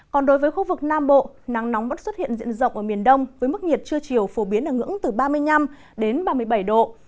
còn đối với khu vực nam bộ nắng nóng vẫn xuất hiện diện rộng ở miền đông với mức nhiệt trưa chiều phổ biến ở ngưỡng từ ba mươi năm đến ba mươi bảy độ